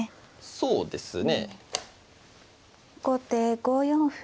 そうですね。